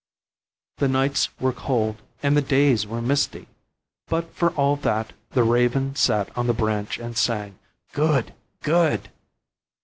The nights were cold and the days were misty; but, for all that, the raven sat on the branch and sang, "Good! good!"